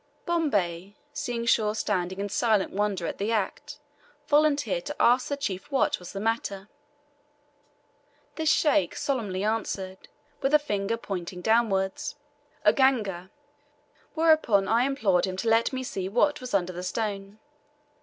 Bombay, seeing Shaw standing in silent wonder at the act, volunteered to ask the chief what was the matter. The Sheikh solemnly answered, with a finger pointing downward, "Uganga!" Whereupon I implored him to let me see what was under the stone.